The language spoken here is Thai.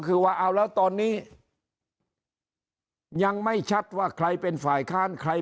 คือว่าเอาแล้วตอนนี้ยังไม่ชัดว่าใครเป็นฝ่ายค้านใคร